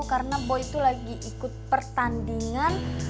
karena boy itu lagi ikut pertandingan